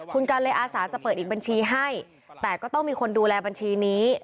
คุณกันเลยอาสาจะเปิดอีกบัญชีให้แต่ก็ต้องมีคนดูแลบัญชีนี้